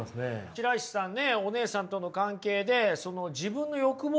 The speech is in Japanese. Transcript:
白石さんね